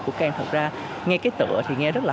của khang thật ra nghe cái tựa thì nghe rất là